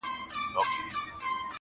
ستیوري به تسخیر کړمه راکړي خدای وزري دي,